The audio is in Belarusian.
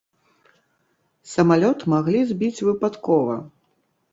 Самалёт маглі збіць выпадкова.